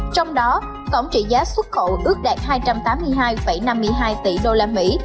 trong đó tổng trị giá xuất khẩu ước đạt hai trăm tám mươi hai năm mươi hai tỷ đô la mỹ